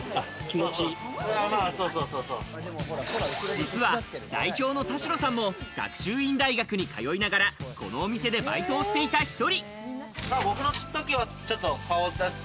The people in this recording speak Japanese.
実は代表の田代さんも学習院大学に通いながら、このお店でバイトをしていた１人。